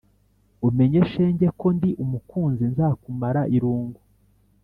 umenye shenge ko ndi umukunzi nzakumara irungu